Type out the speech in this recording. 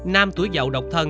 nam tuổi giàu độc thân